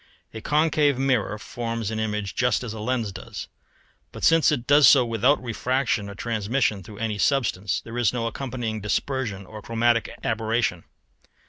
A concave mirror forms an image just as a lens does, but since it does so without refraction or transmission through any substance, there is no accompanying dispersion or chromatic aberration.